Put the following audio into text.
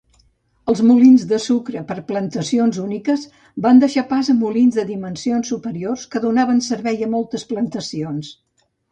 Els molins de sucre per a plantacions úniques van deixar pas a molins de dimensions superiors, que donaven servei a moltes plantacions.